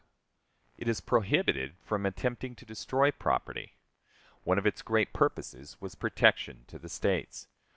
It is prohibited from attempting to destroy property. One of its great purposes was protection to the States.